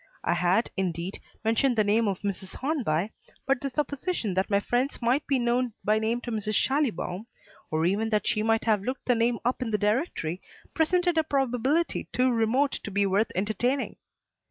I had, indeed, mentioned the name of Mrs. Hornby, but the supposition that my friends might be known by name to Mrs. Schallibaum, or even that she might have looked the name up in the directory, presented a probability too remote to be worth entertaining.